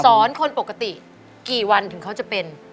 คนปกติกี่วันถึงเขาจะเป็น